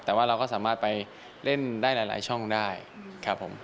แต่ว่าเราก็สามารถไปเล่นได้หลายช่องได้ครับผม